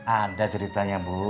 ada ceritanya bu